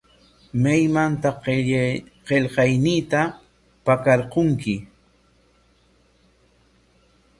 ¿Maymantaq qillqayniita pakarqurki?